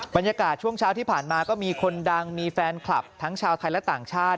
บรรยากาศช่วงเช้าที่ผ่านมาก็มีคนดังมีแฟนคลับทั้งชาวไทยและต่างชาติ